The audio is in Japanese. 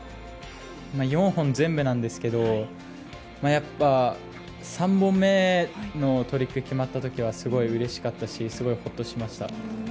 ４本全部なんですけどやっぱり３本目のトリックが決まった時はすごいうれしかったしすごいほっとしました。